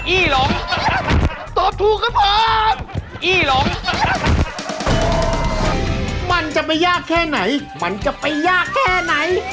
ี้หลงตอบถูกครับผมอี้หลงมันจะไม่ยากแค่ไหนมันจะไปยากแค่ไหน